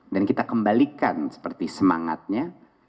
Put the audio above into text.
dan kita kembalikan seperti semangatnya